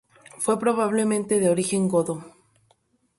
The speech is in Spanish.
Fue probablemente de origen godo.